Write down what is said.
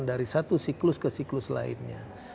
dari satu siklus ke siklus lainnya